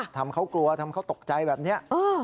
ทำเขากลัวทำเขาตกใจแบบนี้